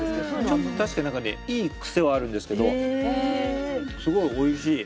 ちょっと確かになんかねいいクセはあるんですけどすごいおいしい。